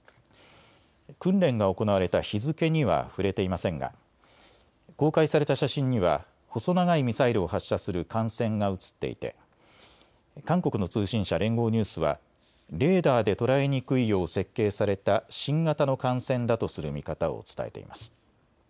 訓練が行われた日付には触れていませんが公開された写真には細長いミサイルを発射する艦船が写っていて韓国の通信社、連合ニュースはレーダーで捉えにくいよう設計された新型の艦船だとする見方を伝えています。